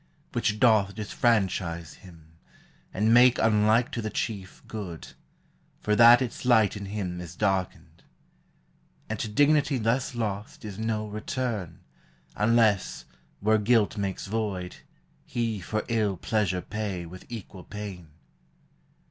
Which doth disfranchise him, and make unlike To the chief good; for that its light in him 442 THE HIGHER LIFE. Is darkened. And to dignity thus lost Is no return; unless, where guilt makes void, He for ill pleasure pay with equal pain.